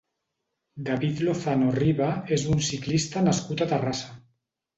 David Lozano Riba és un ciclista nascut a Terrassa.